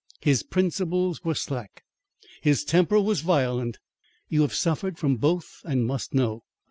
His principles were slack, his temper violent. You have suffered from both and must know.